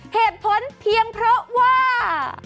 เหตุผลเพียงเพราะว่า